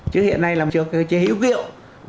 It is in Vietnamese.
chứ hiện nay là cơ chế hiếu kiệu